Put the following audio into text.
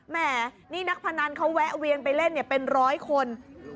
แม่นี่นักพนันเขาแวะเวียนไปเล่นเป็นร้อยคน